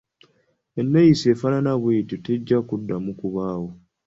Enneeyisa efaanana bweti tejja kuddamu kubaawo.